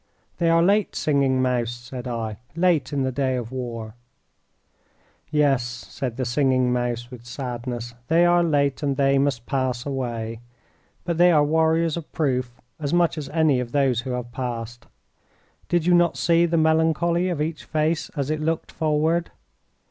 "They are late, Singing Mouse," said I, "late in the day of war." "Yes," said the Singing Mouse, with sadness, "they are late, and they must pass away. But they are warriors of proof, as much as any of those who have passed. Did you not see the melancholy of each face as it looked forward?